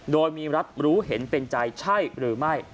โดยมีรัฐรู้เห็นเป็นใจใช่หรือไม่